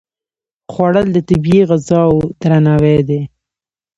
خوړل د طبیعي غذاو درناوی دی